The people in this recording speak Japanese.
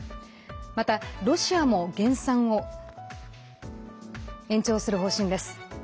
また、ロシアも減産を延長する方針です。